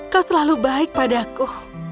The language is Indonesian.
kau selalu baik padaku